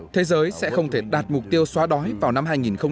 thế giới sẽ không thể đạt mục tiêu xóa đói vào năm hai nghìn hai mươi